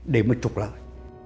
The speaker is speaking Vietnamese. để mà trục lợi